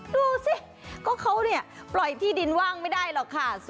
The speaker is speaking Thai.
ดูสิก็เขาเนี่ยปล่อยที่ดินว่างไม่ได้หรอกค่ะ